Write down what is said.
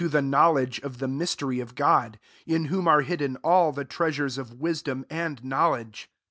S27 knowledge of the mystery of God; 3 in whom are hidden all the treasures of wisdom and knowledge.